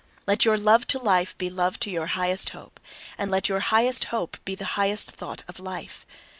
Let your love to life be love to your highest hope; and let your highest hope be the highest thought of life!